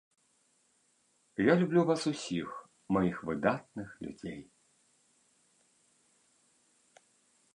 Я люблю вас усіх маіх выдатных людзей!